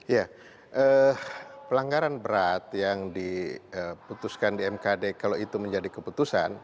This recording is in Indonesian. ya pelanggaran berat yang diputuskan di mkd kalau itu menjadi keputusan